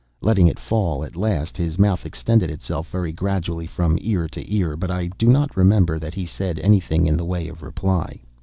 Letting it fall, at last, his mouth extended itself very gradually from ear to ear; but I do not remember that he said any thing in the way of reply.